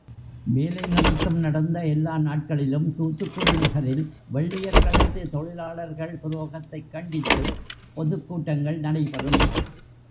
வேலை நிறுத்தம் நடந்த எல்லா நாட்களிலும், தூத்துக்குடி நகரில் வெள்ளையர்களது தொழிலாளர்கள் துரோகத்தைக் கண்டித்துப் பொதுக் கூட்டங்கள் நடைபெறும்.